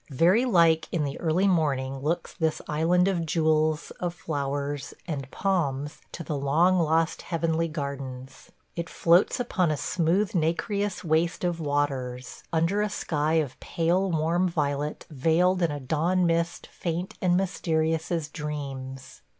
Very like in the early morning looks this island of jewels, of flowers, and palms to the long lost heavenly gardens. It floats upon a smooth, nacreous waste of waters, under a sky of pale warm violet, veiled in a dawn mist faint and mysterious as dreams.